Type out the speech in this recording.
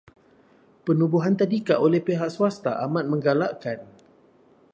Penubuhan tadika oleh pihak swasta amat menggalakkan.